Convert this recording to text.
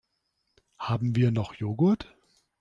Haben wir noch Joghurt?